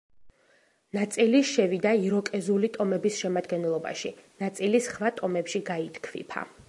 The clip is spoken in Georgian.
ნაწილი შევიდა იროკეზული ტომების შემადგენლობაში, ნაწილი სხვა ტომებში გაითქვიფა.